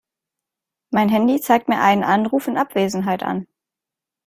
Mein Handy zeigt mir einen Anruf in Abwesenheit an.